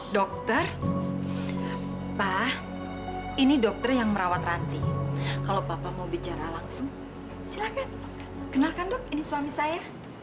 dokter pak ini dokter yang merawat ranti kalau bapak mau bicara langsung silahkan kenalkan dok ini suami saya